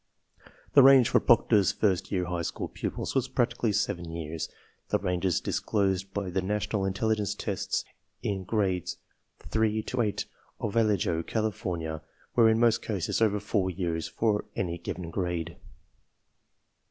The range for Proctor's first year high school pupils was practically 7 years. The ranges disclosed by the National Intelligence Tests in Grades 3 to 8 of Vallejo, California, were in most cases over 4 years for any given grade.